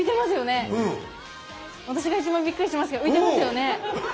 私が一番びっくりしてますけど浮いてますよね？